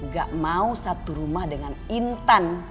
gak mau satu rumah dengan intan